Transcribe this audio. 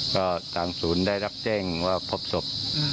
ก็ทางศูนย์ได้รับแจ้งว่าพบศพ